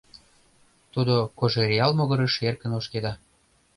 Тудо Кожеръял могырыш эркын ошкеда.